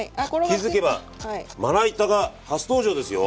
気付けばまな板が初登場ですよ。